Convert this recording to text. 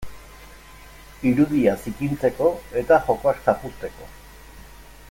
Irudia zikintzeko eta jokoak zapuzteko.